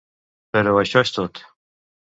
Però això és tot.